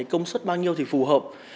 công suất bao nhiêu thì phù hợp